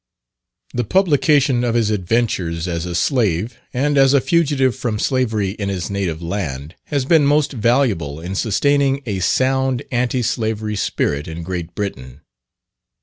The publication of his adventures as a slave, and as a fugitive from slavery in his native land, has been most valuable in sustaining a sound anti slavery spirit in Great Britain.